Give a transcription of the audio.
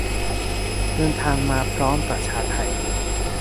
เดินทางมาพร้อมประชาไท